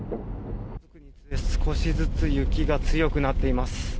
少しずつ雪が強くなっています。